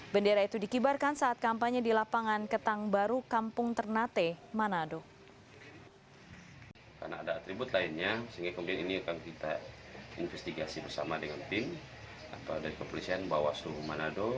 bendera itu dikibarkan saat kampanye di lapangan ketang baru kampung ternate manado